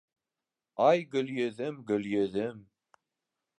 — Ай Гөлйөҙөм, Гөлйөҙөм...